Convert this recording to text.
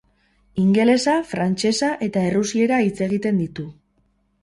Ingelesa, frantsesa eta errusiera hitz egiten ditu.